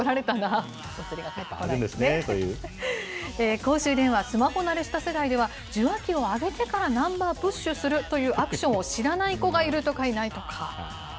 公衆電話、スマホ慣れした世代では、受話器を上げてからナンバープッシュするというアクションを知らない子がいるとか、いないとか。